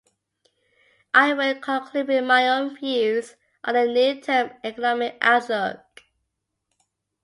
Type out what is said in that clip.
I will conclude with my own views on the near-term economic outlook.